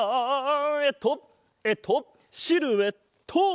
えっとえっとシルエット！